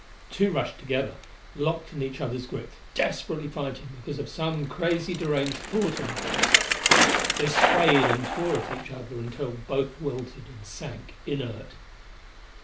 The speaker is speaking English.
Two rushed together, locked in each other's grip, desperately fighting because of some crazy, deranged thought impulse. They swayed and tore at each other until both wilted and sank inert.